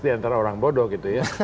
diantara orang bodoh gitu ya